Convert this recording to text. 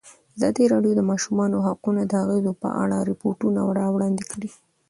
ازادي راډیو د د ماشومانو حقونه د اغېزو په اړه ریپوټونه راغونډ کړي.